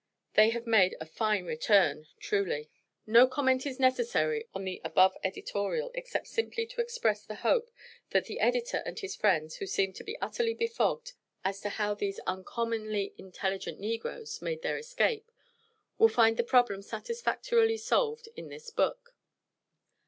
They have made a fine return, truly." No comment is necessary on the above editorial except simply to express the hope that the editor and his friends who seemed to be utterly befogged as to how these "uncommonly intelligent negroes" made their escape, will find the problem satisfactorily solved in this book.